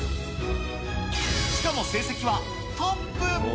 しかも成績はトップ。